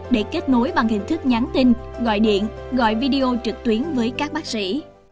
để kết nối bằng hình thức nhắn tin gọi điện gọi video trực tuyến với các bác sĩ